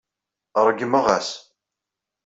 Ṛeggmeɣ-as.